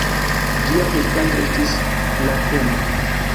Ĝia prezidanto estis Lapenna.